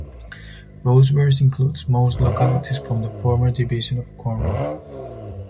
Rosevears includes most localities from the former Division of Cornwall.